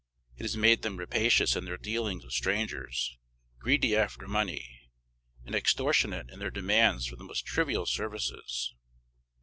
It has made them rapacious in their dealings with strangers, greedy after money, and extortionate in their demands for the most trivial services.